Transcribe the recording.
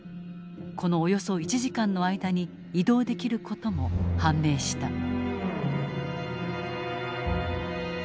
このおよそ１時間の間に移動できる事も判明した。